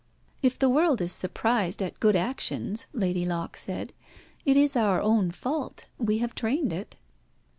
"If the world is surprised at good actions," Lady Locke said, "it is our own fault. We have trained it."